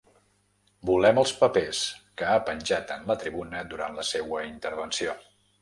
Volem els papers, que ha penjat en la tribuna durant la seua intervenció.